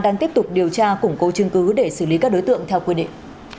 đang tiếp tục điều tra củng cố chứng cứ để xử lý các đối tượng theo quy định